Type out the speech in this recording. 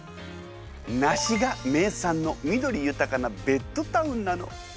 ナシが名産の緑豊かなベッドタウンなの。